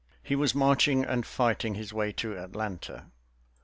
He was marching and fighting his way to Atlanta.